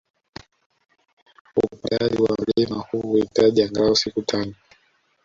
Upandaji wa mlima huu huhitaji angalau siku tano